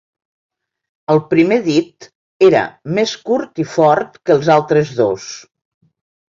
El primer dit era més curt i fort que els altres dos.